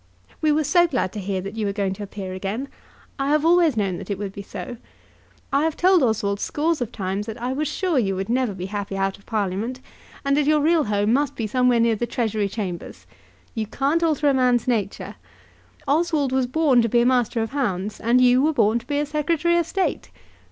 We were so glad to hear that you were going to appear again. I have always known that it would be so. I have told Oswald scores of times that I was sure you would never be happy out of Parliament, and that your real home must be somewhere near the Treasury Chambers. You can't alter a man's nature. Oswald was born to be a master of hounds, and you were born to be a Secretary of State.